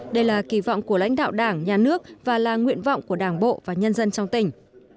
đây là kỳ vọng của lãnh đạo đảng nhà nước và là nguyện vọng của đảng bộ và nhân dân trong tỉnh